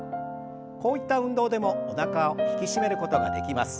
こういった運動でもおなかを引き締めることができます。